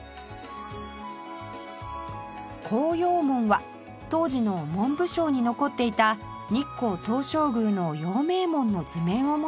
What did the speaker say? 孝養門は当時の文部省に残っていた日光東照宮の陽明門の図面をもとに造られました